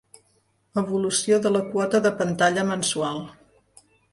Evolució de la quota de pantalla mensual.